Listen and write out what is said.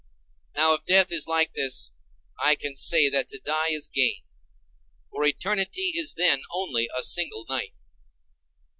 Now if death is like this, I say that to die, is gain; for eternity is then only a single night.